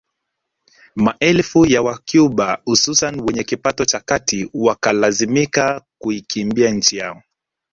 Maelfu ya wacuba hususan wenye kipato cha kati wakalazimika kuikimbia nchi yao